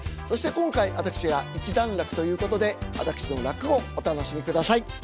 そして今回私が一段落ということで私の落語お楽しみください。